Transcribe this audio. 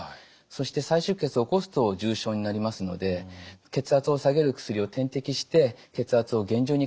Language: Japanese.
そして再出血を起こすと重症になりますので血圧を下げる薬を点滴して血圧を厳重に管理します。